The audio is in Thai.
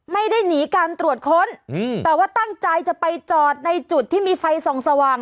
ไม่ได้หนีการตรวจค้นแต่ว่าตั้งใจจะไปจอดในจุดที่มีไฟส่องสว่าง